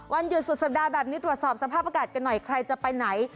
วันหยุดสุดสัปดาห์แบบนี้ตรวจสอบสภาพอากาศกันหน่อยใครจะไปไหน